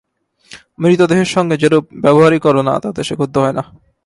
মৃতদেহের সঙ্গে যেরূপ ব্যবহারই কর না, তাতে সে ক্ষুব্ধ হয় না।